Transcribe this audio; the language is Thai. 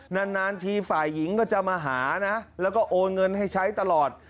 นานทีฝ่ายหญิงก็จะมาหานะแล้วก็โอนเงินให้ใช้ตลอด